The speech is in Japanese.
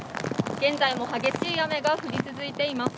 現在も激しい雨が降り続いています。